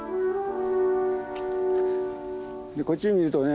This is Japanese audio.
こっち見るとね